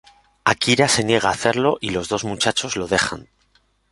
Akira se niega a hacerlo y los dos muchachos lo dejan.